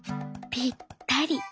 「ぴったり」。